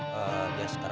heikal gimana dok